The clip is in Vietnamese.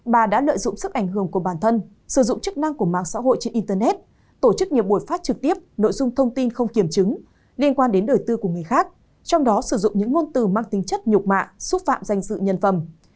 bà đã lợi dụng sức ảnh hưởng của bản thân sử dụng chức năng của mạng xã hội trên internet tổ chức nhiều buổi phát trực tiếp nội dung thông tin không kiểm chứng liên quan đến đời tư của người khác trong đó sử dụng những ngôn từ mang tính chất nhục mạ xúc phạm danh dự nhân phẩm